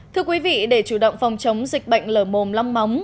thưa quý vị để chủ động phòng chống dịch bệnh lở mồm long móng